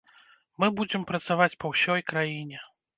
Мы будзем працаваць па ўсёй краіне.